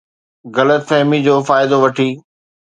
غلط فهمي جو فائدو وٺي